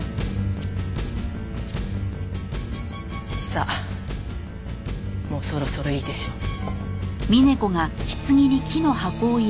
さあもうそろそろいいでしょう。